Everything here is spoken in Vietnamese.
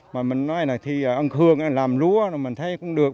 mà mình nói là khi ăn khương làm lúa mình thấy cũng được